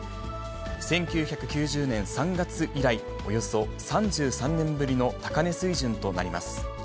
１９９０年３月以来、およそ３３年ぶりの高値水準となります。